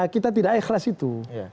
kita tidak ikhlas itu